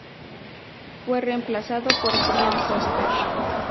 Fue reemplazo por Brian Foster.